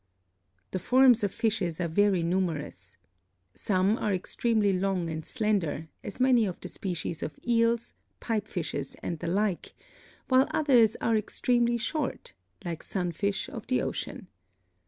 The forms of fishes are very numerous. Some are extremely long and slender, as many of the species of Eels, Pipe fishes and the like, while others are extremely short, like Sunfish of the ocean.